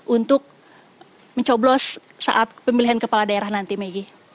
untuk mencoblos saat pemilihan kepala daerah nanti megi